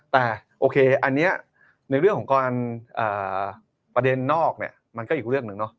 แต่โอเคอันนี้ในเรื่องของการประเด็นนอกเนี่ยมันก็อีกเรื่องหนึ่งเนาะ